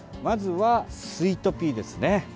まずはスイートピーですね。